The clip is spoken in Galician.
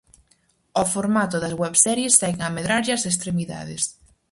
Ao formato das webseries seguen a medrarlle as extremidades.